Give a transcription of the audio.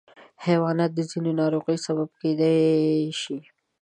حیوانات د ځینو ناروغیو سبب کېدای شي.